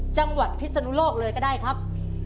จังหวัดพิศนุโลกเลยก็ได้ครับ